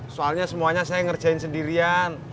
soalnya semuanya saya ngerjain sendirian